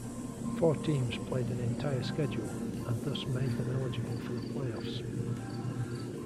Four teams played an entire schedule and thus made them eligible for the playoffs.